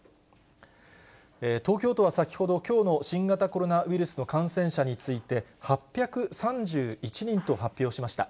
東京都は先ほど、きょうの新型コロナウイルスの感染者について、８３１人と発表しました。